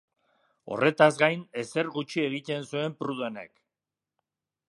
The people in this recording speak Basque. Horretaz gain, ezer gutxi egiten zuen Prudenek.